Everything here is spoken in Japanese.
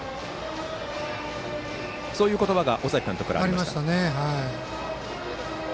そういう言葉が尾崎監督からありました。